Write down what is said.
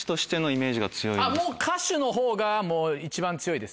あっもう歌手のほうがもう一番強いです。